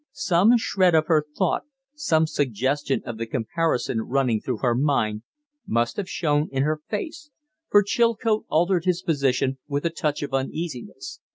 Some shred of her thought, some suggestion of the comparison running through her mind, must have shown in her face, for Chilcote altered his position with a touch of uneasiness.